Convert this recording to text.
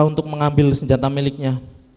untuk mengambil senjata miliknya